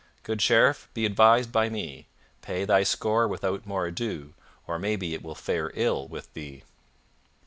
Good Sheriff, be advised by me; pay thy score without more ado, or maybe it may fare ill with thee."